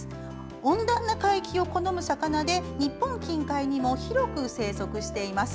温暖な海域を好む魚で日本近海にも広く生息しています。